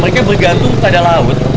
mereka bergantung pada laut